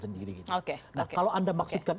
sendiri kalau anda maksudkan